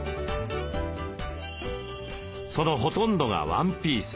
そのほとんどがワンピース。